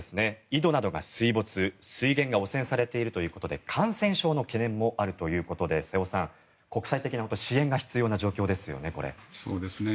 井戸などが水没水源が汚染されているということで感染症の懸念もあるということで瀬尾さん、国際的な支援が必要な状態ですよね。